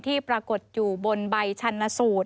ปรากฏอยู่บนใบชันสูตร